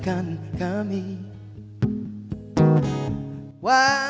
kami akan mencoba